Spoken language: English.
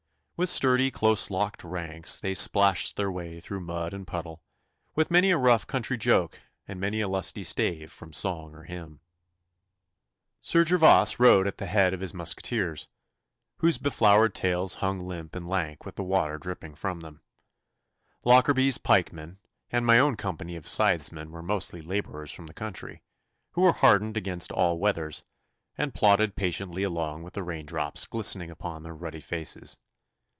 With sturdy close locked ranks they splashed their way through mud and puddle, with many a rough country joke and many a lusty stave from song or hymn. Sir Gervas rode at the head of his musqueteers, whose befloured tails hung limp and lank with the water dripping from them. Lockarby's pikemen and my own company of scythesmen were mostly labourers from the country, who were hardened against all weathers, and plodded patiently along with the rain drops glistening upon their ruddy faces.